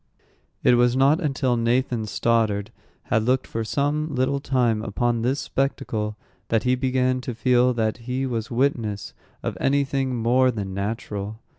It was not until Nathan Stoddard had looked for some little time upon this spectacle that he began to feel that he was witness of any thing more than natural.